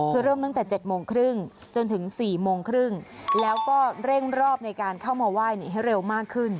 คือเริ่มตั้งแต่๗โมงครึ่งจนถึง๔โมงครึ่งแล้วก็เร่งรอบในการเข้ามาไหว้ให้เร็วมากขึ้น